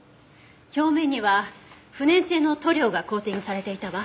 表面には不燃性の塗料がコーティングされていたわ。